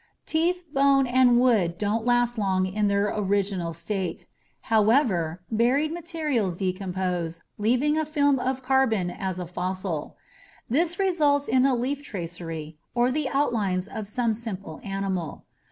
Teeth, bone and wood don't last long in their original state. However, buried materials decompose, leaving a film of carbon as a fossil. This results in a leaf tracery, or the outlines of some simple animal.